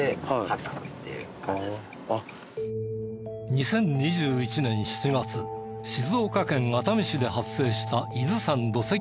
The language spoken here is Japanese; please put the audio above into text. ２０２１年７月静岡県熱海市で発生した伊豆山土石流災害。